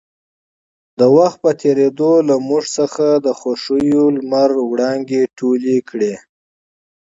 د وخـت پـه تېـرېدو لـه مـوږ څـخـه د خـوښـيو لمـر وړانـګې تـولې کـړې.